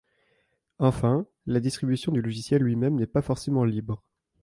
Enfin, la distribution du logiciel lui-même n'est pas forcément libre.